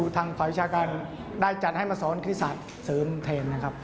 ทางฝ่ายวิชาการได้จัดให้มาสอนคริศาสตร์เสริมเทนนะครับ